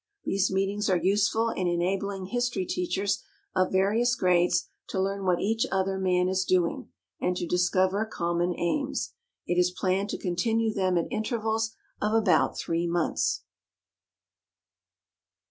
These meetings are useful in enabling history teachers of various grades to learn what each other man is doing, and to discover common aims. It is planned to continue them at intervals of about three months.